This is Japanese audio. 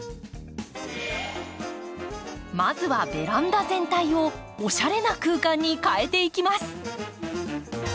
まずはベランダ全体をおしゃれな空間に変えていきます。